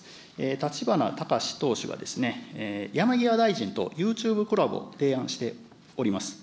立花孝志党首が山際大臣とユーチューブクラブを提案しております。